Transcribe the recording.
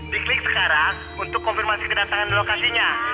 diklik sekarang untuk konfirmasi kedatangan lokasinya